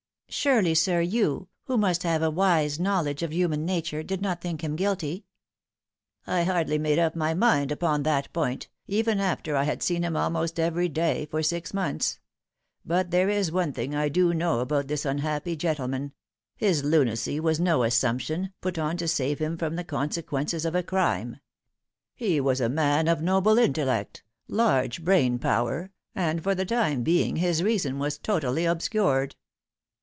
Surely, sir, you, who must have a wide knowledge of human nature, did not think him guilty ?"" I hardly made up my mind upon that point, even after I had seen him almost every day for six months; but there is one thing I do know about this unhappy gentleman : his lunacy was no assumption, put on to save him from the consequences of a crime. He was a man of noble intellect, large brain power, and for the time being his reason was totally obscured."